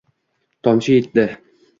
Tomchi yetdi